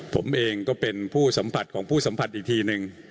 ผมเองก็เป็นผู้สัมผัสของผู้สัมผัสอีกทีนึง